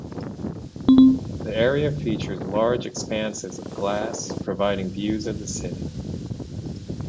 The area features large expanses of glass providing views of the city.